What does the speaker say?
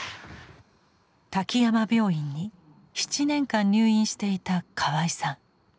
滝山病院に７年間入院していた河合さん。